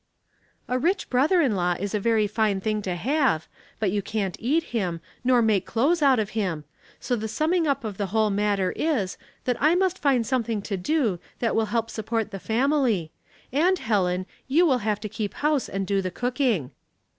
" A rich brother in law is a very fine thing to have, but you can't eat him, nor make clothes out of him ; so the summing up of the whole matter is, that I must find something to do that will help support the family; and, Helen, you will have to keep hon^n and do the cooking."